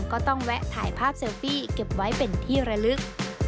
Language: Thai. ก็ต้องแวะถ่ายภาพเซลฟี่เก็บไว้เป็นที่ระลึก